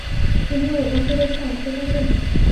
তুমি ওকে রেখে আসতে পারবে?